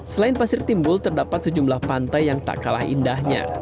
selain pasir timbul terdapat sejumlah pantai yang tak kalah indahnya